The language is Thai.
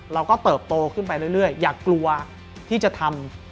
เติบโตขึ้นไปเรื่อยอย่ากลัวที่จะทำ